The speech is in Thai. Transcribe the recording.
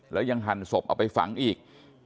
แล้วยังหั่นศพเอาไปฝังอีก